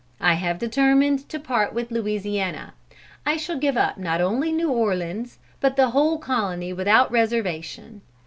I have determined to part with Louisiana. I shall give up not only New Orleans, but the whole colony without reservation.